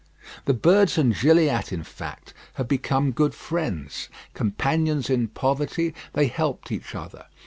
The birds and Gilliatt, in fact, had become good friends. Companions in poverty, they helped each other.